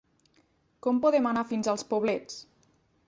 Com podem anar fins als Poblets?